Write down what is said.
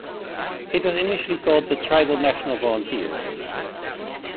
It was initially called the Tribal National Volunteers.